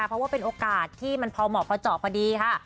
เพราะว่าเป็นโอกาสที่มันพอเหมาะพอเจาะพอดีค่ะ